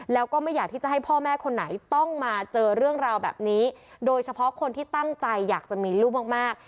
แล้วก็ไม่อยากที่จะให้พ่อแม่คนไหนต้องมาเจอเรื่องราวแบบนี้โดยเฉพาะคนที่ตั้งใจอยากจะมีลูกมาก